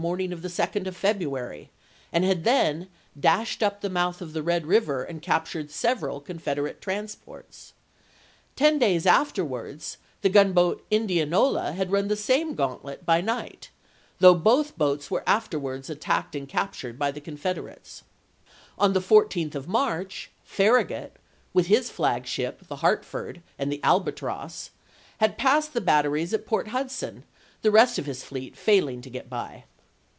ing of the 2d of February, and had then dashed up the mouth of the Red River and captured several Confederate transports; ten days afterwards the gunboat Indianola had run the same gauntlet by night, though both boats were afterwards attacked and captured by the Confederates. On the 14th of March, Farragut, with his flag ship, the Hartford, and the Albatross, had passed the batteries at Port Hudson, the rest of his fleet failing to get by.